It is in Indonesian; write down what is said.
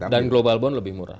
dan global bond lebih murah